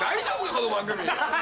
この番組。